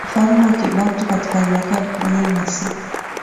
ufalme wa Kibantu katika miaka elfu moja Mia sita